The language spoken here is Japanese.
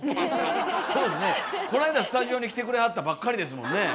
この間スタジオに来てくれはったばっかりですもんね。